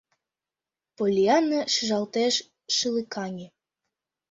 Поллианна, шижалтеш, шӱлыкаҥе.